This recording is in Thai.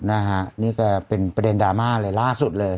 นะฮะนี่ก็เป็นประเด็นดราม่าเลยล่าสุดเลย